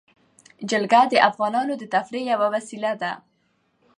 جلګه د افغانانو د تفریح یوه وسیله ده.